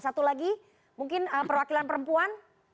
satu lagi mungkin perwakilan perempuan